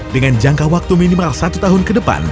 dengan jangka waktu minimal satu tahun ke depan